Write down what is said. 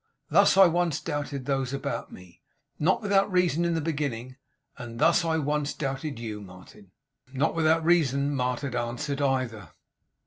Thus I once doubted those about me not without reason in the beginning and thus I once doubted you, Martin.' 'Not without reason,' Martin answered, 'either.